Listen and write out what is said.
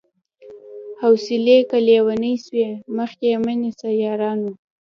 حوصلې که ليونۍ سوې مخ يې مه نيسئ يارانو